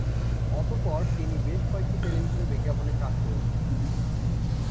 অতঃপর তিনি বেশ কয়েকটি টেলিভিশন বিজ্ঞাপনে কাজ করেছেন।